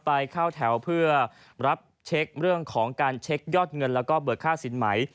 ไปเข้าแถวเพื่อรับเช็คเรื่องของการเช็คยอดเงินแล้วก็เบิกค่าสินใหม่